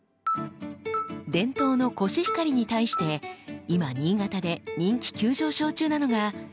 伝統のコシヒカリに対して今新潟で人気急上昇中なのが新之助です。